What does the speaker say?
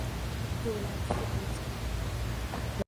دولت سقوط کرد.